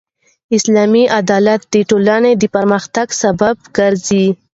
اسلامي عدالت د ټولني د پرمختګ سبب ګرځي.